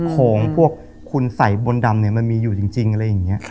ของพวกคุณใส่บวนดำมันมีอยู่จริงอะไรแบบนี้